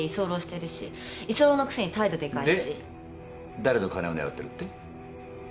誰の金を狙ってるって？